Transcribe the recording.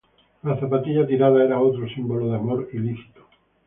La zapatilla tirada era otro símbolo de amor ilícito.